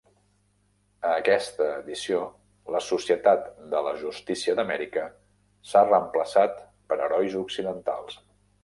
A aquesta edició, la "Societat de la Justícia d'Amèrica" s'ha reemplaçat per herois occidentals.